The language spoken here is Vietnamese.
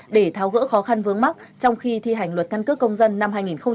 để tháo gỡ khó khăn vướng mắt trong khi thi hành luật căn cước công dân năm hai nghìn một mươi ba